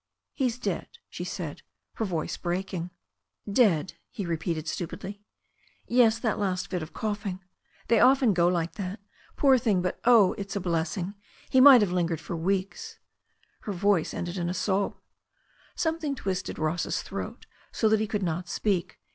"He's dead," she said, her voice breaking. ' 'Dead," he repeated stupidly. 'Yes— that last fit of coughing. They often go like that. Poor thing, but, oh, it's a blessing— he might have lingered for weeks." Her voice ended in a sob. Something twisted Ross's throat so that he could not speak.